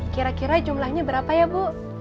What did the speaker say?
kira kira jumlahnya berapa ya bu